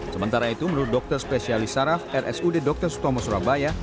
sementara itu menurut dokter spesialis saraf rsud dr sutomo surabaya